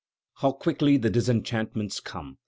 How quickly the disenchantments come!